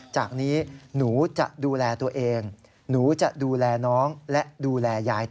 จากนี้หนูจะดูแลตัวเองหนูจะดูแลน้องและดูแลยายต่อ